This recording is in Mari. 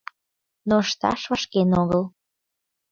Но ышташ вашкен огыл.